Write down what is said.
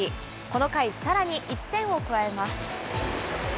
この回、さらに１点を加えます。